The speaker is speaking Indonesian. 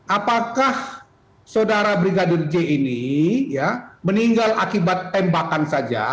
apakah saudara brigadir j ini meninggal akibat tembakan saja